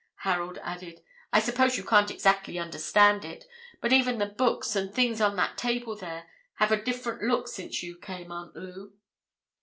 Harold added. "I suppose you can't exactly understand it, but even the books, and things on that table there, have a different look since you came, Aunt Lou."